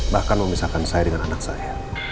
bahkan memisahkan saya dengan anak saya